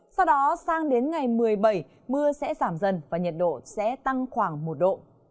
sau đó sang đến ngày một mươi bảy mưa sẽ giảm dần và nhiệt độ sẽ tăng khoảng một độ